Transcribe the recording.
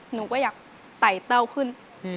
หนูก็อยากไต่เต้าขึ้น